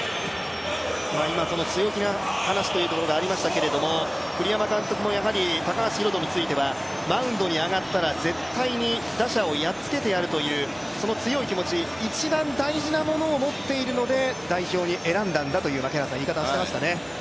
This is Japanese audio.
今、強気な話ということでありましたけれども、栗山監督も高橋宏斗については、マウンドに上がったら、絶対に打者をやっつけてやるという強い気持ち、一番大事なものを持っているので代表に選んだんだという言い方をしてましたね。